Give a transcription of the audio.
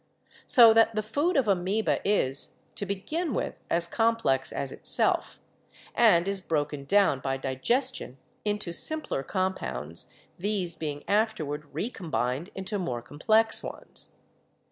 So that the food of Amoeba is, to begin with, as complex as itself, and is broken down by digestion into simpler compounds, these being afterward recombined into more complex ones.